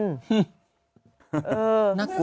นักกลัว